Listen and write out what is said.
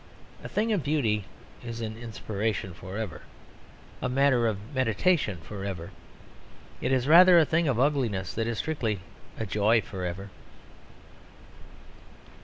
A thing of beauty is an inspiration for ever a matter of meditation for ever. It is rather a thing of ugliness that is strictly a joy for ever.